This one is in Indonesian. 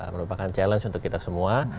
merupakan challenge untuk kita semua